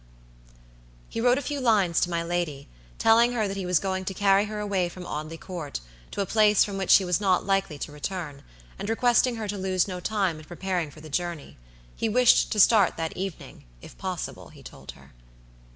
He wrote a few lines to my lady, telling her that he was going to carry her away from Audley Court to a place from which she was not likely to return, and requesting her to lose no time in preparing for the journey. He wished to start that evening, if possible, he told her.